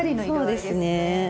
そうですね。